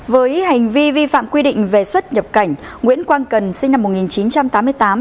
với hành vi vi phạm quy định về xuất nhập cảnh nguyễn quang cần sinh năm một nghìn chín trăm tám mươi tám